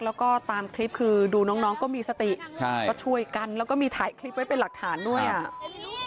แล้วก็ตามคลิปคือดูน้องน้องก็มีสติใช่ก็ช่วยกันแล้วก็มีถ่ายคลิปไว้เป็นหลักฐานด้วยอ่ะ